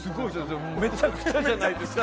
めちゃくちゃじゃないですか。